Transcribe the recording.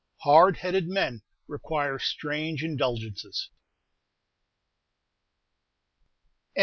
Hard headed men require strange indulgences.